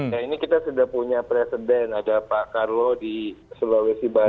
nah ini kita sudah punya presiden ada pak karlo di sulawesi barat